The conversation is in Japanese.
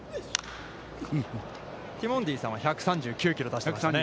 ティモンデイさんは、１３９を出していますからね。